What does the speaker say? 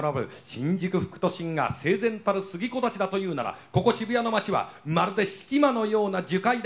新宿副都心が整然たる杉木立だというならここ渋谷の街はまるで色魔のような樹海だ。